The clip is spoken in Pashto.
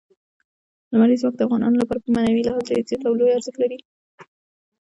لمریز ځواک د افغانانو لپاره په معنوي لحاظ ډېر زیات او لوی ارزښت لري.